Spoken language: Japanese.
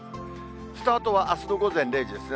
スタートはあすの午前０時ですね。